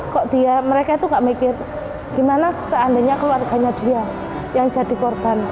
kok dia mereka itu gak mikir gimana seandainya keluarganya dia yang jadi korban